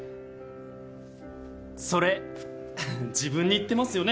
それ自分に言ってますよね？